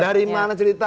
dari mana cerita